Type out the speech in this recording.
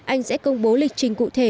anh sẽ công bố lịch trình cụ thể